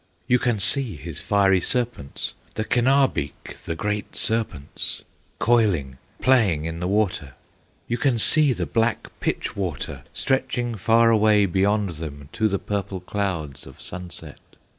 You can see his fiery serpents, The Kenabeek, the great serpents, Coiling, playing in the water; You can see the black pitch water Stretching far away beyond them, To the purple clouds of sunset!